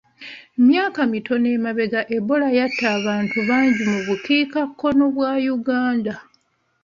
Myaka mitono emabega Ebola yatta abantu bangi mu bukiikakkono bwa Uganda.